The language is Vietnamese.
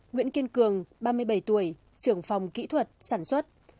nguyễn kiên cường ba mươi bảy tuổi trưởng phòng kỹ thuật sản xuất